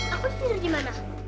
aku tidur di mana